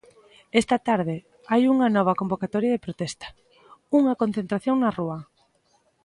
Esta tarde hai unha nova convocatoria de protesta, unha concentración na rúa.